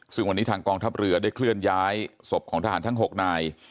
ซึ่งวันนี้ทางกองทัพเรือได้เคลื่อนย้ายศพของทหารทั้ง๖นาย